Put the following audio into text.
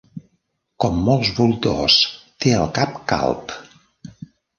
Com molts voltors, té el cap calb.